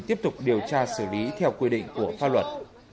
tiếp tục điều tra xử lý theo quy định của pháp luật